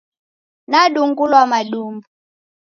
Nadungulwa madumbu